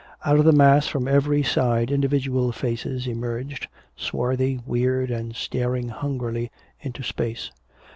Out of the mass from every side individual faces emerged, swarthy, weird, and staring hungrily into space.